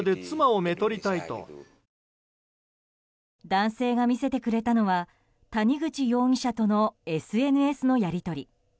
男性が見せてくれたのは谷口容疑者とのＳＮＳのやり取り。